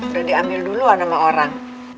udah diambil duluan sama orang